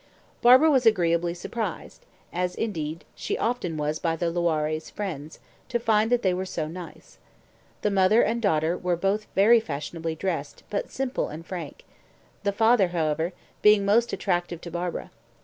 Barbara was agreeably surprised as indeed she often was by the Loirés' friends to find that they were so nice. The mother and daughter were both very fashionably dressed, but simple and frank, the father, however, being most attractive to Barbara.